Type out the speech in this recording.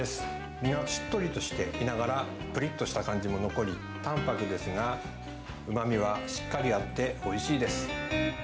身がしっとりとしていながら、ぷりっとした感じも残り、淡白ですが、うまみはしっかりあって、おいしいです。